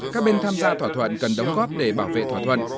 các bên tham gia thỏa thuận cần đóng góp để bảo vệ thỏa thuận